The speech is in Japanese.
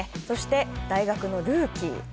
そして、大学のルーキー。